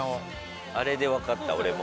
あれで分かった俺も。